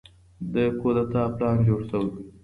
د کودتا پلان جوړ شوی و.